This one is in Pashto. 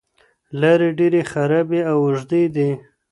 لارې ډېرې خرابې او اوږدې دي.